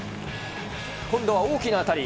今度は大きな当たり。